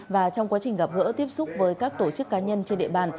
và trong quá trình gặp gỡ tiếp xúc với các tổ chức cá nhân trên địa bàn